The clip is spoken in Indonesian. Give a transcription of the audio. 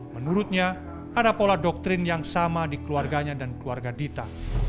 menurutnya ada pola doktrin yang sama di keluarganya dan keluarga dita